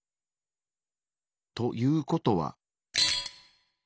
ということは。